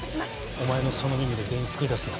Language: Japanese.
お前のその耳で全員救い出すんだ。